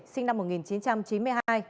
sinh năm một nghìn chín trăm chín mươi hai